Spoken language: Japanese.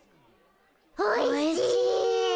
おいしい。